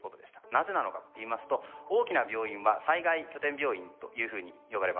なぜなのかといいますと大きな病院は災害拠点病院というふうに呼ばれます。